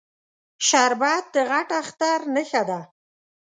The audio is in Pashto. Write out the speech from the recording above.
شربت د غټ اختر نښه ده